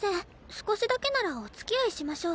少しだけならお付き合いしましょう。